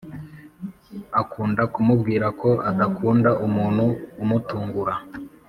akunda kumubwira ko adakunda umuntu umutungura